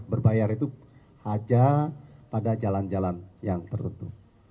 berbayar itu aja pada jalan jalan yang tertentu